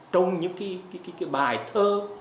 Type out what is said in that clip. trong những cái bài thơ